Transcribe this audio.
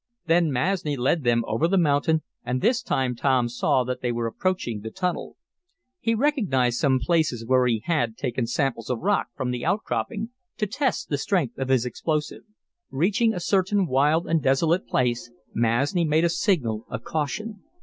Then Masni led them over the mountain, and this time Tom saw that they were approaching the tunnel. He recognized some places where he had taken samples of rock from the outcropping to test the strength of his explosive. Reaching a certain wild and desolate place, Masni made a signal of caution.